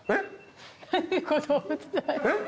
えっ？